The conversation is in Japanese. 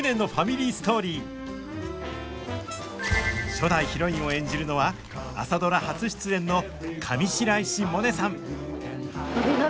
初代ヒロインを演じるのは「朝ドラ」初出演の上白石萌音さん！